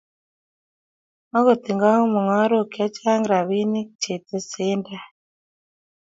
Mako tindo mungarok che chang rapinik che tesendai